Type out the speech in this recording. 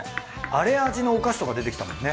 あれ味のお菓子とか出てきたもんね。